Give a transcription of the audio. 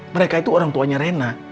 mereka itu orang tuanya rena